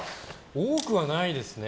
多くはないですね。